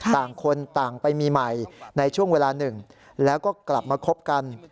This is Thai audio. ต่างคนต่างไปมีใหม่ในช่วงเวลาหนึ่งแล้วก็กลับมาคบกัน